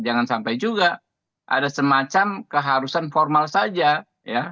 jangan sampai juga ada semacam keharusan formal saja ya